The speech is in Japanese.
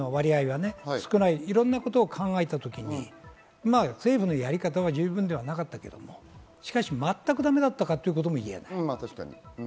いろんなことを考えたときに政府のやり方は十分ではなかったけれど、全くだめだったとも言えない。